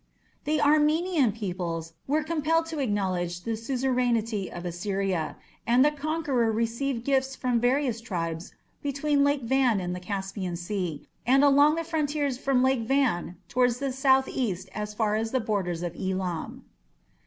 The Armenian peoples were compelled to acknowledge the suzerainty of Assyria, and the conqueror received gifts from various tribes between Lake Van and the Caspian Sea, and along the frontiers from Lake Van towards the south east as far as the borders of Elam.